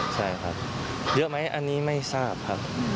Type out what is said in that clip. ใช่ครับเยอะไหมอันนี้ไม่ทราบครับ